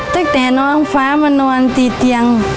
ตั้งแต่น้องฟ้ามานอนตีเตียง